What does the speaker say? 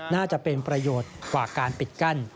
น่าจะเป็นประโยชน์กว่าการปิดกั้น